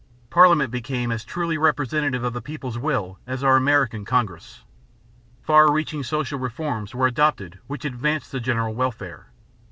Parliament became as truly representative of the people's will as our American Congress. Far reaching social reforms were adopted which advanced the general welfare.